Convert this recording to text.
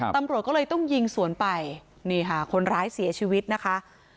ตำรวจก็เลยต้องยิงสวนไปนี่ค่ะคนร้ายเสียชีวิตนะคะ